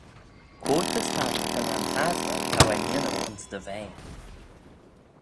Quoid dy startaghyn anchasley t'ou er n'yannoo ayns dty vea?